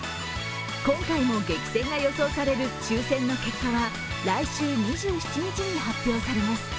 今回も激戦が予想される抽選の結果は来週２７日に発表されます。